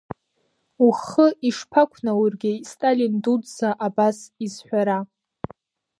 Ухы ишԥақәнаургеи Сталин дуӡӡа абас изҳәара.